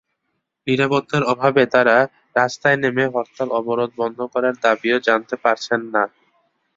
নিরাপত্তার অভাবে তাঁরা রাস্তায় নেমে হরতাল-অবরোধ বন্ধ করার দাবিও জানাতে পারছেন না।